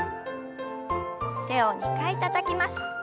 手を２回たたきます。